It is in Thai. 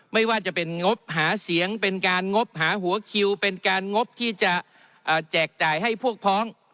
ไม่ว่าจะเป็นงบหาเสียงเป็นการงบหาหัวคิวเป็นการงบที่จะแจกจ่ายให้พวกพ้อง